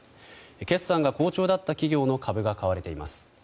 決算が好調だった企業の株が買われています。